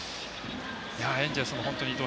エンジェルスも本当に。